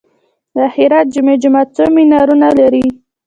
د هرات جامع جومات څو منارونه لري؟